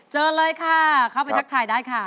เลยค่ะเข้าไปทักทายได้ค่ะ